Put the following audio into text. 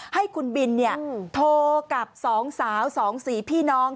ให้คุณบินเนี่ยโทรกับ๒สาว๒สี่พี่น้อง